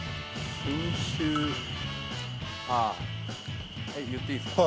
◆繊言っていいですか？